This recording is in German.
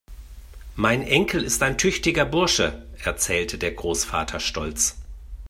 "Mein Enkel ist ein tüchtiger Bursche", erzählte der Großvater stolz.